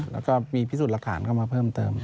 แล้วก็มีพิสูจน์หลักฐานเข้ามาเพิ่มเติม